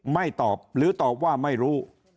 ไม่ตอบหรือตอบว่าไม่รู้